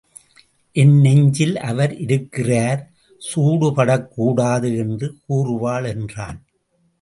என் நெஞ்சில் அவர் இருக்கிறார் சூடு படக்கூடாது என்று கூறுவாள் என்றான்.